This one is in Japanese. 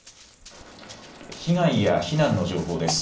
被害や避難の情報です。